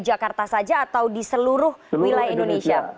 di jakarta saja atau di seluruh wilayah indonesia